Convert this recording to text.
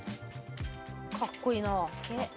かっこいいなあ。